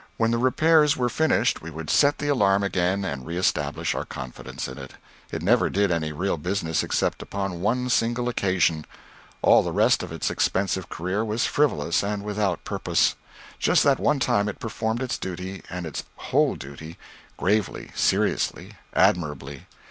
When the repairs were finished we would set the alarm again and reestablish our confidence in it. It never did any real business except upon one single occasion. All the rest of its expensive career was frivolous and without purpose. Just that one time it performed its duty, and its whole duty gravely, seriously, admirably.